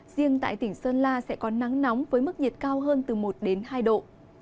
riêng tại tỉnh sơn la sẽ có nắng nóng với mức nhiệt cao hơn từ một đến hai độ